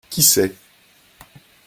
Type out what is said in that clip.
Qui sait ?